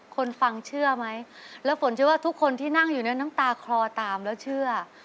คนฟังเชื่อไหมแล้วฝนเชื่อว่าทุกคนที่นั่งอยู่เนี่ยน้ำตาคลอตามแล้วเชื่อ